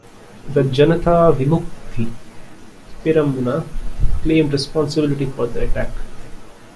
The Janatha Vimukthi Peramuna claimed responsibility for the attack.